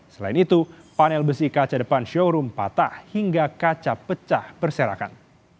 selain itu panel besi kaca depan showroom patah hingga kaca pecah perserakan